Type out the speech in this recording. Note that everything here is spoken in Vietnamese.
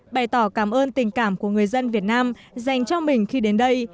bày tỏ cảm ơn tình cảm của người dân việt nam dành cho mình khi đến đây